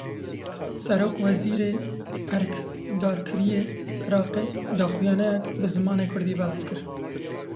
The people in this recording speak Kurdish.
Serokwezîrê erkdarkirî yê Iraqê daxuyaniyek bi zimanê kurdî belav kir.